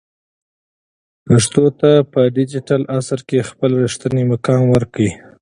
پښتو ته په ډیجیټل عصر کې خپل رښتینی مقام ورکړئ.